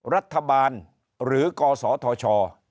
รัฐบาลหรือกศธช